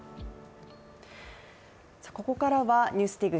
ここからは「ＮＥＷＳＤＩＧ」